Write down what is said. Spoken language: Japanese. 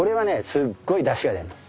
すっごいだしが出るの。